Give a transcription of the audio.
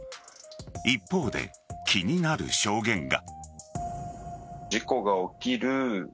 一方で、気になる証言が。